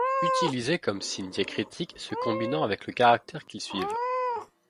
Utilisés comme signes diacritiques se combinant avec le caractère qu'ils suivent.